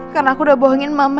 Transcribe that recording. karena aku udah bohongin mama